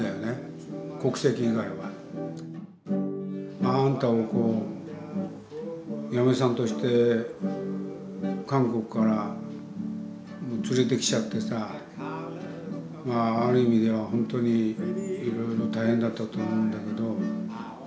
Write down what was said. まああんたをこう嫁さんとして韓国から連れてきちゃってさある意味では本当にいろいろと大変だったと思うんだけど。